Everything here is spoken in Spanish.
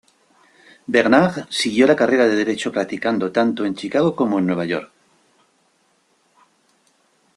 Bernard siguió la carrera de derecho practicando tanto en Chicago como en Nueva York.